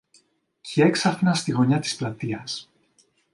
Κι έξαφνα, στη γωνιά της πλατείας